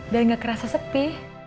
dan gak kerasa sepi